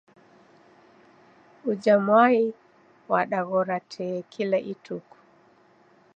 Uja mwai wadaghora tee kila ituku.